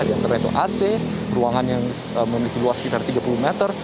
di antara itu ac ruangan yang memiliki luas sekitar tiga puluh meter